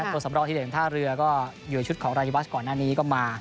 ตัวสำรองที่เด่นท่าเรือก็อยู่ในชุดของรายวัชก่อนหน้านี้ก็มา